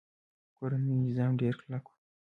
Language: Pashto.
کورنۍ نظام ډیر کلک و